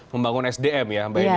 membangun sdm ya mbak eni